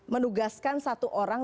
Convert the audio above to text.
menugaskan satu orang